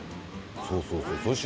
そうそうそう。